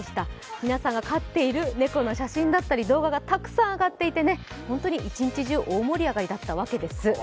皆さんが飼っている猫の写真だったり動画がたくさん上っていて、本当に一日中大盛り上がりだったわけです。